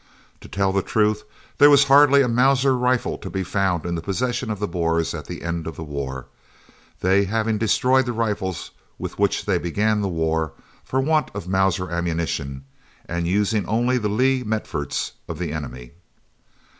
To tell the truth, there was hardly a Mauser rifle to be found in the possession of the Boers at the end of the war, they having destroyed the rifles with which they began the war, for want of Mauser ammunition, and using only the Lee Metfords of the enemy.